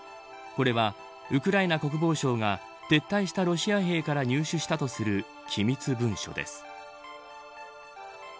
これは、ウクライナ国防省が撤退したロシア兵から入手したとする機密文書です。